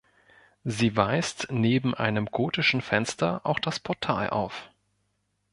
Sie weist neben einem gotischen Fenster auch das Portal auf.